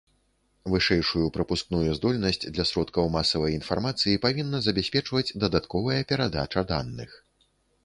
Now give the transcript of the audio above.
Вышэйшую прапускную здольнасць для сродкаў масавай інфармацыі павінна забяспечваць дадатковая перадача даных.